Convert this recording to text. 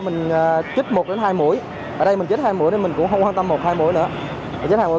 mình chích một đến hai mũi ở đây mình chích hai mũi nên mình cũng không quan tâm một hai mũi nữa chích hai mũi